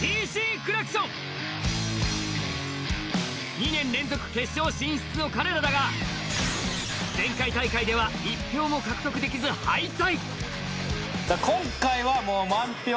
２年連続決勝進出の彼らだが前回大会では１票も獲得できず、敗退。